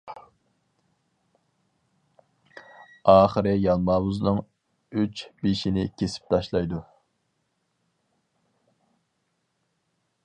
ئاخىرى يالماۋۇزنىڭ ئۈچ بېشىنى كېسىپ تاشلايدۇ.